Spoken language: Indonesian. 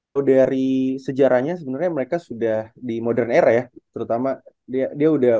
kalau dari sejarahnya sebenarnya mereka sudah di modern era ya terutama dia udah